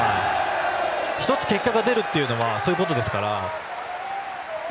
１つ結果が出るというのはそういうことですから。